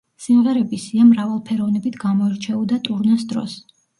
სიმღერების სია მრავალფეროვნებით გამოირჩეოდა ტურნეს დროს.